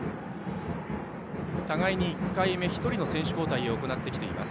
互いに１人目の選手交代を行っています。